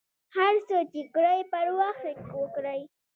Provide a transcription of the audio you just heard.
هر څه ،چې کرئ پر وخت یې وکرئ.